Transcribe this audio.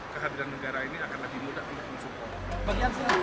kehadiran negara ini akan lebih mudah